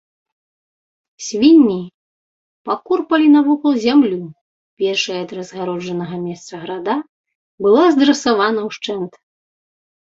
Свінні пакорпалі навокал зямлю, першая ад разгароджанага месца града была здрасавана ўшчэнт.